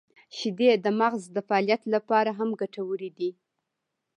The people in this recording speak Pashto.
• شیدې د مغز د فعالیت لپاره هم ګټورې دي.